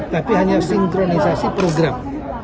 tapi hanya sinkronisasi program